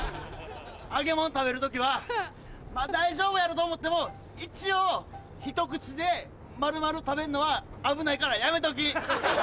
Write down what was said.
揚げもん食べる時はまぁ大丈夫やろと思っても一応ひと口で丸々食べるのは危ないからやめとき！